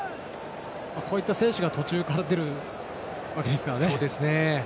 こういった選手が途中から出るんですよね。